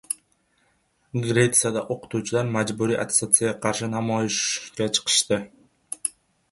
Gresiyada o‘qituvchilar majburiy attestasiyaga qarshi namoyishga chiqishdi